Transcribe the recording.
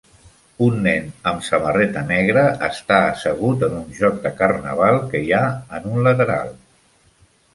Un nen amb samarreta negra està assegut en un joc de carnaval que hi ha en un lateral.